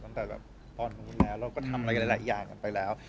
ตั้งแต่ตอนนู้นแล้วเราก็ทำหลายอย่างกันไปแล้ว